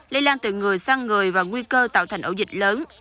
lây lan từ người sang người và nguy cơ tạo thành ổ dịch lớn